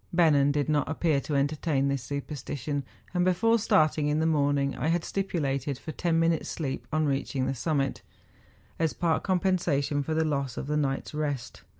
Bennen did not appear to entertain this superstition, and before starting in the morning I had stipulated for ten minutes' sleep on reaching the summit, as part compensation for the loss of the night's rest.